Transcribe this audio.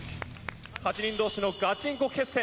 ８人同士のガチンコ決戦。